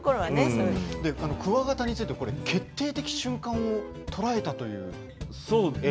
クワガタについて決定的瞬間を捉えたという。